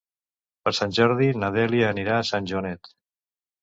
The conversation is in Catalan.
Per Sant Jordi na Dèlia anirà a Sant Joanet.